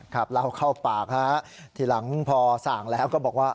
ครับเล่าเข้าปากฮะทีหลังพอสั่งแล้วก็บอกว่า